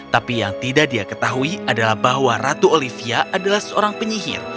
tapi yang tidak dia ketahui adalah bahwa ratu olivia adalah seorang penyihir